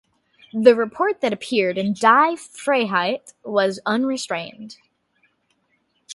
The report that appeared in "Die Freiheit" was unrestrained.